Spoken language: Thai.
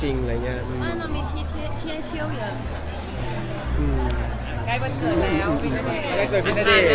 น้องไม่ทิ้งเที่ยวอยาก